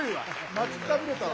待ちくたびれたわ。